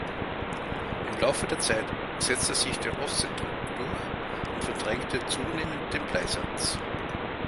Im Laufe der Zeit setzte sich Der Offsetdruck durch und verdrängte zunehmend den Bleisatz.